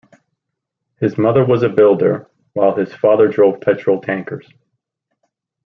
His mother was a builder, while his father drove petrol tankers.